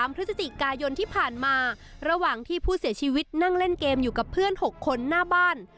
พฤศจิกายนที่ผ่านมาระหว่างที่ผู้เสียชีวิตนั่งเล่นเกมอยู่กับเพื่อน๖คนหน้าบ้าน